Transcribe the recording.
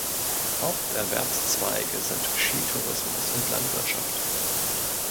Haupterwerbszweige sind Skitourismus und Landwirtschaft.